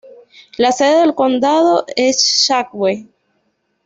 La sede del condado es Shawnee.